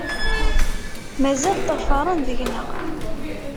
Mazal ṭṭafaṛen deg-nneɣ.